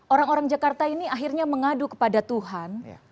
orang orang jakarta ini akhirnya mengadu kepada tuhan